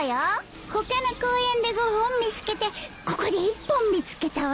他の公園で５本見つけてここで１本見つけたわ。